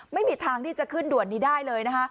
ไม่มีทางที่จะขึ้นด่วนนี้ได้เลยนะคะ